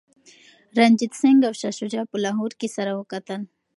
رنجیت سنګ او شاه شجاع په لاهور کي سره وکتل.